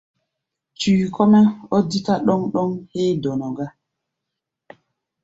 Tui kɔ́-mɛ́ ɔ́ dítá ɗɔ́ŋ-ɗɔ́ŋ héé dɔnɔ gá.